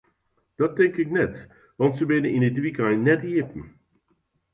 Dat tink ik net, want se binne yn it wykein net iepen.